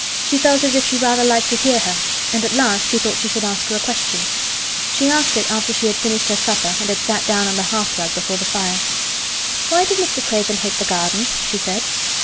She felt as if she rather liked to hear her, and at last she thought she would ask her a question. She asked it after she had finished her supper and had sat down on the hearth rug before the fire. "Why did Mr. Craven hate the garden?" she said.